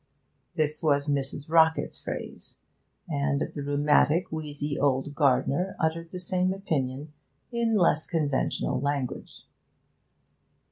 This was Mrs. Rockett's phrase, and the rheumatic, wheezy old gardener uttered the same opinion in less conventional language.